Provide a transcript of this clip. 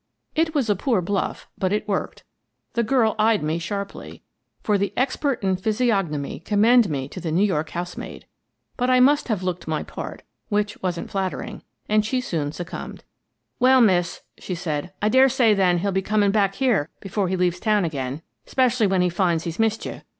It was a poor bluff, but it worked. The girl eyed me sharply, — for the expert in physiognomy, commend me to the New York housemaid! — but I must have looked my part — which wasn't flatter ing — for she soon succumbed. " Well, miss," she said, " I dare say, then, he'll be coming back here before he leaves town again, I Am Very Nearly Killed 91 especially when he finds he's missed you.